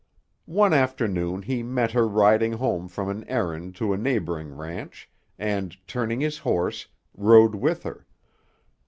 One afternoon he met her riding home from an errand to a neighboring ranch, and, turning his horse, rode with her.